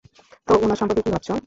তো, উনার সম্পর্কে কী ভাবছ?